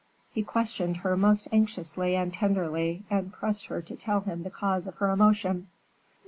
He questioned her most anxiously and tenderly, and pressed her to tell him the cause of her emotion.